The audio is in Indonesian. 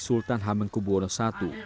sultan hamengkubwono i